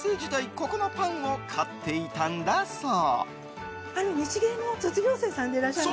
ここのパンを買っていたんだそう。